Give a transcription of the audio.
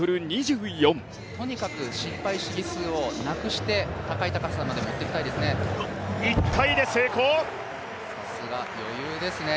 とにかく失敗試技数をなくして高い高さまで持っていきたいですね。